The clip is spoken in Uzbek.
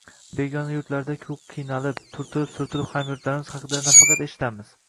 Begona yurtlarda-ku qiynalib, «turtilib-surtilgan» hamyurtlarimiz haqida nafaqat eshitamiz